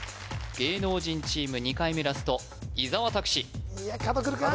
芸能人チーム２回目ラスト伊沢拓司いや角くるか？